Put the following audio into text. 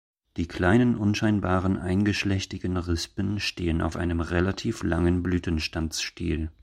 Die kleinen unscheinbaren eingeschlechtigen Rispen stehen auf einem relativ langen Blütenstandsstiel.